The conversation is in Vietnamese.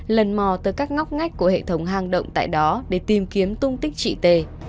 lần mò tới các ngóc ngách của hệ thống hang động tại đó để tìm kiếm tung tích chị tề